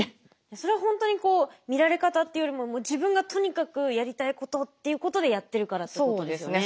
それ本当に見られ方というよりも自分がとにかくやりたいことっていうことでやってるからっていうことですよね。